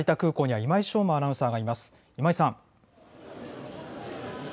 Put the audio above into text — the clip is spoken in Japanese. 今井さん。